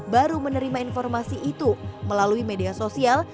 baru menerima informasi itu melalui media sosial